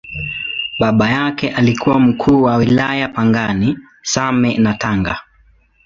Baba yake alikuwa Mkuu wa Wilaya Pangani, Same na Tanga.